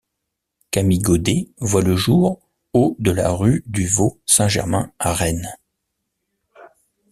Camille Godet voit le jour au de la rue du Vau Saint-Germain à Rennes.